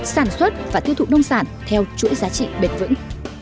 sản xuất và tiêu thụ nông sản theo chuỗi giá trị bền vững